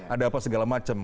ada apa segala macem